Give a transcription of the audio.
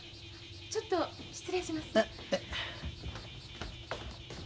ちょっと失礼します。